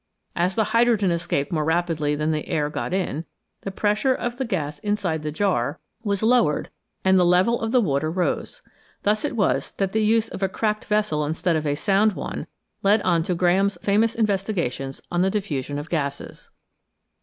As the hydrogen escaped more rapidly than the air got in, the pressure of the gas inside the jar was 338 GREAT DISCOVERIES lowered and the level of the water rose. Thus it was that the use of a cracked vessel instead of a sound one led on to Graham's famous investigations on the diffusion of gases.